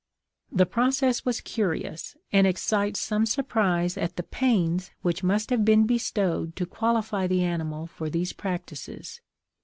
The process was curious, and excites some surprise at the pains which must have been bestowed to qualify the animal for these practices.